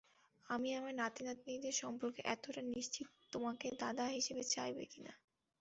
আমি আমার নাতি-নাতনিদের সম্পর্কে এতোটা নিশ্চিত না তোমাকে দাদা হিসেবে চাইবে কিনা।